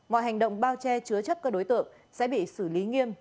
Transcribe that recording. mọi hành động bao che chứa chấp các đối tượng sẽ bị xử lý nghiêm